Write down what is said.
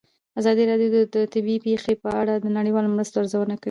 ازادي راډیو د طبیعي پېښې په اړه د نړیوالو مرستو ارزونه کړې.